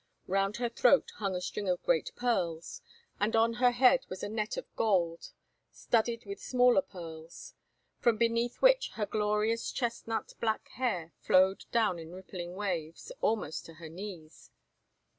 Round her throat hung a string of great pearls, and on her head was a net of gold, studded with smaller pearls, from beneath which her glorious, chestnut black hair flowed down in rippling waves almost to her knees.